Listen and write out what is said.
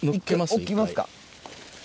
一回置きますか。